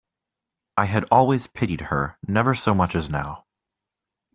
I had always pitied her, never so much as now.